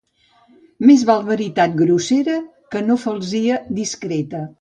Més val veritat grossera, que no falsia discreta.